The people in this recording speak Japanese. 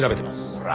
ほら！